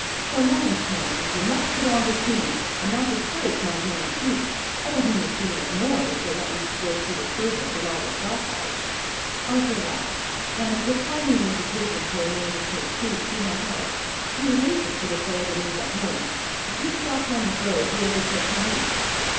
So, mind, Channing, you must put on the steam, and not disgrace my guarantee. I don't mean the steam of noise, or that you should go through the service with all the stops out." Arthur laughed; and, declining the invitation to remain and take tea, he went out. He was anxious to declare the news at home. A few steps on his road, he overtook Hamish.